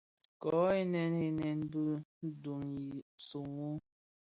Ko ghènèn ghènèn bi döön zi somo.